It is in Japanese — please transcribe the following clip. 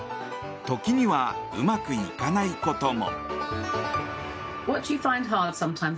時にはうまくいかないことも。